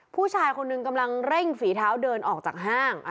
ผู้ชายคนหนึ่งกำลังเร่งฝีเท้าเดินออกจากห้าง